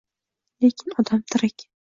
Lekin odam tirik –